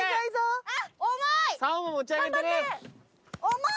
重い！